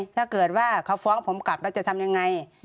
ถ้าเกิดว่าเขาฟ้องผมกลับแล้วจะทำยังไง